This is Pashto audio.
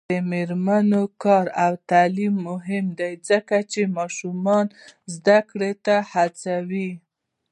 د میرمنو کار او تعلیم مهم دی ځکه چې ماشومانو زدکړې ته هڅوي.